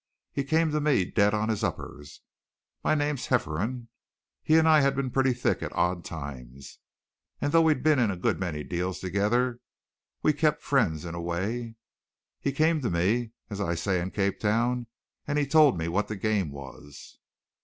He came to me dead on his uppers. My name's Hefferom. He and I had been pretty thick at odd times, and though we'd been in a good many deals together, we'd kept friends in a way. He came to me, as I say, in Cape Town, and he told me what the game was.